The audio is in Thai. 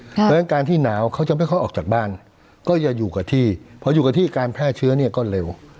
เพราะฉะนั้นการที่หนาวเขาจะไม่ค่อยออกจากบ้านก็จะอยู่กับที่พออยู่กับที่การแพร่เชื้อเนี่ยก็เร็ว